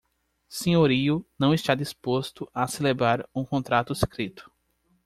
Senhorio não está disposto a celebrar um contrato escrito